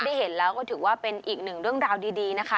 ได้เห็นแล้วก็ถือว่าเป็นอีกหนึ่งเรื่องราวดีนะคะ